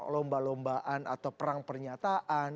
lomba lombaan atau perang pernyataan